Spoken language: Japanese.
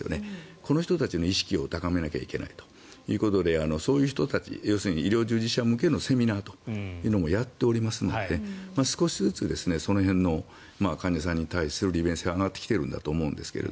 この人たちの意識を高めないといけないということでそういう人たち要するに医療従事者向けのセミナーもやっていますので少しずつその辺の患者さんに対する利便性は上がってきてると思うんですが